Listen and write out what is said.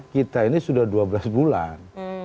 kita ini sudah dua belas bulan